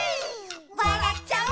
「わらっちゃう」